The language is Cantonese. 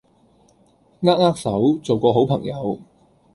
扼扼手做個好朋友